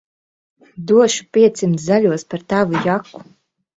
Došu piecsimt zaļos par tavu jaku.